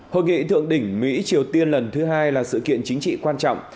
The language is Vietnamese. hội nghị thượng đỉnh mỹ triều tiên lần thứ hai là sự kiện chính trị quan trọng